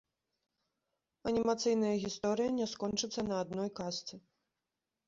Анімацыйная гісторыя не скончыцца на адной казцы.